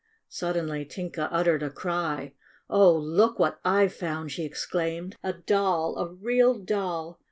Suddenly Tinka uttered a cry. "OK, look what I've found!" she ex claimed. "A doll! A real doll!